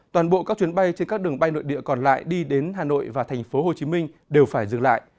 toàn bộ các chuyến bay trên các đường bay nội địa còn lại đi đến hà nội và thành phố hồ chí minh đều phải dừng lại